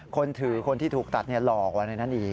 คนถือคนที่ถูกตัดหลอกไว้ในนั้นอีก